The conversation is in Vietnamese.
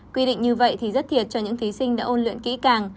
quy định như vậy thì rất thiệt cho những thí sinh đã ôn luyện kỹ càng